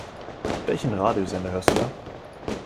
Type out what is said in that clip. Welchen Radiosender hörst du da?